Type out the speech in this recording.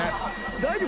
大丈夫？